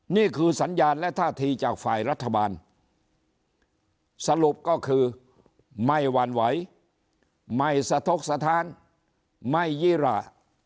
นี่คือสัญญาณและท่าทีจากฝ่ายรัฐบาลสรุปก็คือไม่หวั่นไหวไม่สะทกสถานไม่ยี่ระ